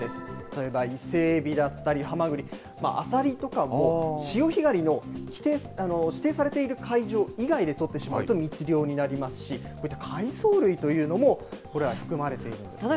例えばイセエビだったりハマグリ、アサリとかも、潮干狩りの指定されている会場以外で取ってしまうと密漁になりますし、こういった海藻類というのもこれは含まれているんですね。